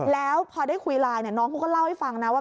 แล้วพอได้คุยไลน์น้องเขาก็เล่าให้ฟังนะว่า